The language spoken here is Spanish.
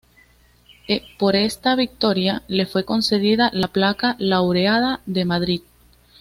Por esta victoria, le fue concedida la Placa Laureada de Madrid.